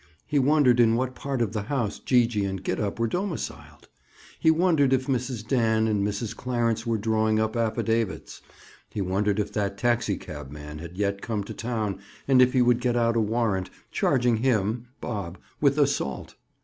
He wondered in what part of the house Gee gee and Gid up were domiciled? He wondered if Mrs. Dan and Mrs. Clarence were drawing up affidavits? He wondered if that taxicab man had yet come to town and if he would get out a warrant, charging him (Bob) with assault?